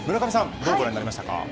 どうご覧になりますか。